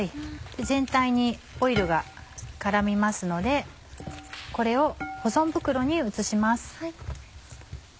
全体にオイルが絡みますのでこれを保存袋に移します。